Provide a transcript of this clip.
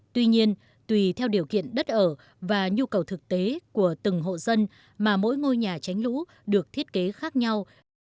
tuy nhiên tùy theo điều kiện đất ở và nhu cầu thực tế của từng hộ dân mà mỗi ngôi nhà tránh lũ được thiết kế khác nhau